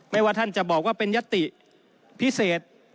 ว่าท่านจะบอกว่าเป็นยติพิเศษ